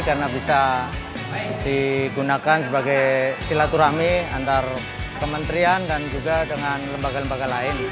karena bisa digunakan sebagai silaturahmi antara kementerian dan juga dengan lembaga lembaga lain